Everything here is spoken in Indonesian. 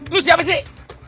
lu siapa sih